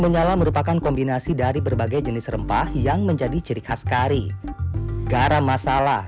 menyala merupakan kombinasi dari berbagai jenis rempah yang menjadi ciri khas kari garam masala